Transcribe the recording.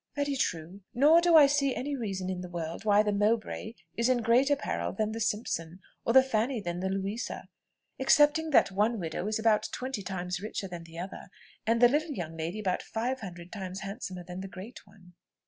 "Very true. Nor do I see any reason in the world why the Mowbray is in greater peril than the Simpson, or the Fanny than the Louisa, excepting that one widow is about twenty times richer than the other, and the little young lady about five hundred times handsomer than the great one."